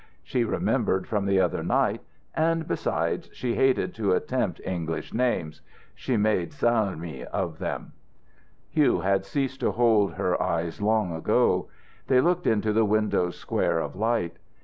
She remembered from the other night, and, besides, she hated to attempt English names; she made salmi of them." Hugh had ceased to hold her eyes long ago. They looked into the window's square of light.